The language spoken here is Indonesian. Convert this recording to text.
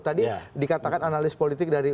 tadi dikatakan analis politik dari